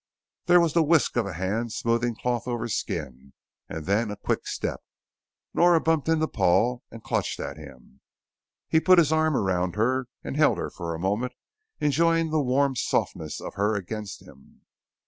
There was the whisk of a hand smoothing cloth over skin, and then a quick step. Nora bumped into Paul, and clutched at him. He put his arms around her and held her for a moment, enjoying the warm softness of her against him.